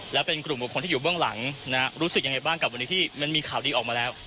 แล้วเป็นกลุ่มบุคคลที่อยู่เบื้องหลังรู้สึกยังไงบ้างกับวันนี้ที่มันมีข่าวดีออกมาแล้ว